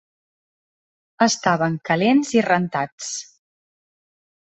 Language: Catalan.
Estaven calents i rentats.